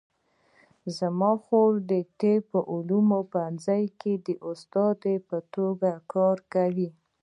زما خور د طبي علومو په پوهنځي کې د استادې په توګه کار کوي